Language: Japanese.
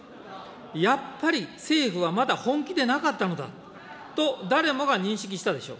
やっぱり政府はまだ本気でなかったのだと、誰もが認識したでしょう。